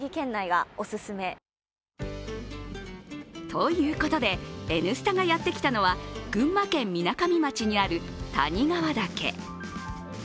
ということで「Ｎスタ」がやってきたのは群馬県みなかみ町にある谷川岳。